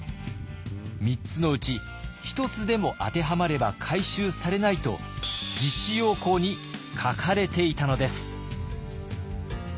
３つのうち１つでも当てはまれば回収されないと実施要綱に書かれていたのです。